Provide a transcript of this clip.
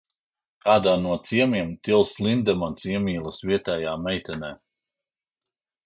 Kādā no ciemiem Tils Lindemans iemīlas vietējā meitenē.